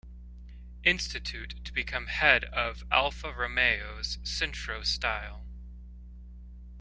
Institute to become head of Alfa Romeo's Centro Stile.